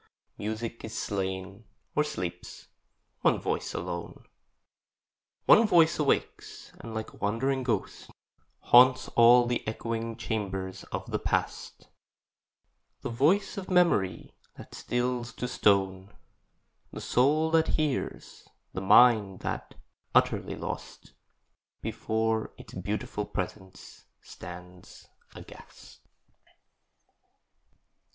Music is slain or sleeps; one voice alone, One voice awakes, and like a wandering ghost Haunts all the echoing chambers of the Past The voice of Memory, that stills to stone The soul that hears; the mind that, utterly lost, Before its beautiful presence stands aghast.